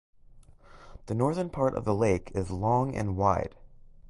The northern part of the lake is long and wide.